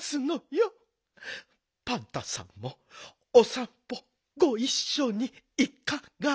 パンタさんもおさんぽごいっしょにいかが？